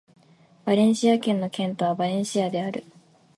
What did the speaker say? バレンシア県の県都はバレンシアである